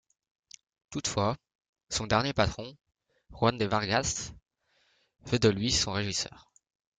Toutefois, son dernier patron, Juan de Vargas, fait de lui son régisseur.